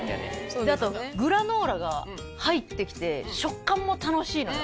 であとグラノーラが入ってきて食感も楽しいのよ